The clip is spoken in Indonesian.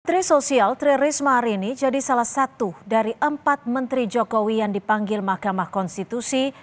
menteri sosial tri risma hari ini jadi salah satu dari empat menteri jokowi yang dipanggil mahkamah konstitusi